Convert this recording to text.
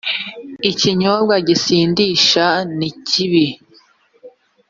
ikinyobwa gisindisha nikibi